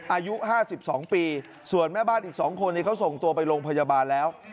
อายุ๕๒ปีส่วนแม่บ้านอีก๒คนนี้เขาส่งตัวไปโรงพยาบาลแล้ว